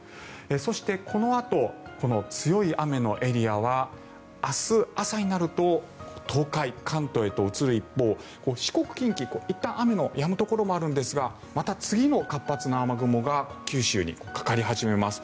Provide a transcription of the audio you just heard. そして、このあと強い雨のエリアは明日朝になると東海、関東へと移る一方四国・近畿、いったん雨のやむところもあるんですがまた次の活発な雨雲が九州にかかり始めます。